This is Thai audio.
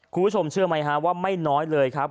คุณผู้ชมเชื่อไหมฮะว่าไม่น้อยเลยครับ